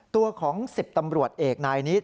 ตัวของ๑๐ตำรวจเอกนายนี้